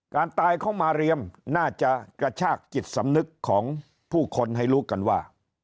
การตายของมาเรียมน่าจะกระชากจิตสำนึกของผู้คนให้รู้กันว่า